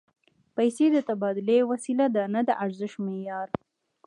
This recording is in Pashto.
پیسې د تبادلې وسیله ده، نه د ارزښت معیار